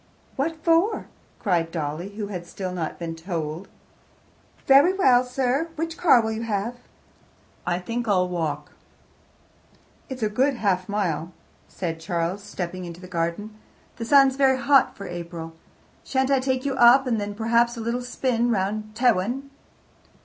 "What for?" cried Dolly, who had still not been "told." "Very well, sir. Which car will you have?" "I think I'll walk." "It's a good half mile," said Charles, stepping into the garden. "The sun's very hot for April. Shan't I take you up, and then, perhaps, a little spin round by Tewin?"